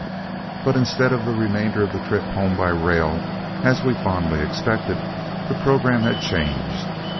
But instead of the remainder of the trip home by rail, as we fondly expected, the programme had changed.